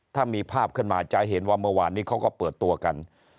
ถ้ามีภาพขึ้นมาจะเห็นว่าเมื่อวานนี้เขาก็เปิดตัวกัน